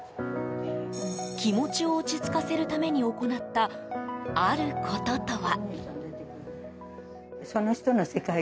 気持ちを落ち着かせるために行った、あることとは。